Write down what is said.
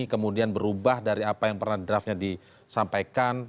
kemudian berubah dari apa yang pernah draftnya disampaikan